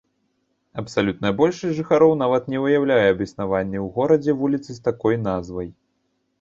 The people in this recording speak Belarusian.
Абсалютная большасць жыхароў нават не ўяўляе аб існаванні ў горадзе вуліцы з такой назвай.